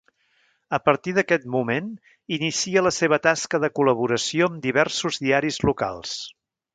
A partir d'aquest moment inicia la seva tasca de col·laboració amb diversos diaris locals.